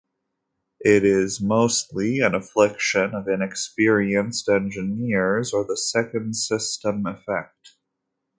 It is mostly an affliction of inexperienced engineers, or the second-system effect.